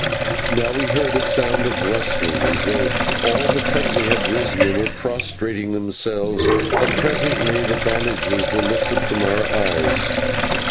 Now we heard a sound of rustling, as though all the company had risen and were prostrating themselves, and presently the bandages were lifted from our eyes.